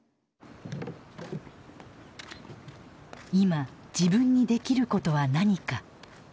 今自分にできることは何か。